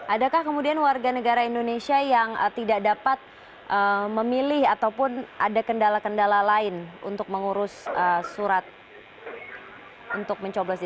adakah kemudian warga negara indonesia yang tidak dapat memilih ataupun ada kendala kendala lain untuk mengurus surat untuk mencoblos ini